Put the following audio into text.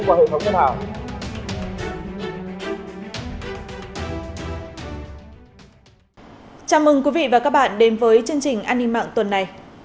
chào các bạn đến với chương trình an ninh mạng tuần này